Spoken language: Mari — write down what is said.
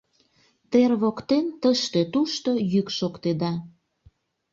Тер воктен тыште-тушто йӱк шоктеда: